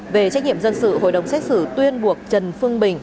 về trách nhiệm dân sự hội đồng xét xử tuyên buộc trần phương bình